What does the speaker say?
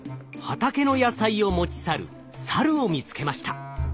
畑の野菜を持ち去るサルを見つけました。